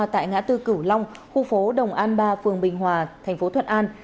tại ngã tư cửu long khu phố đồng an ba phường bình hòa tp thuận an